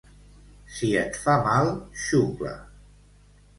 Si et fa mal, xucla.